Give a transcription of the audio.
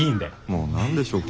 もう何でしょう